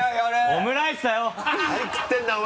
オムライスだよ。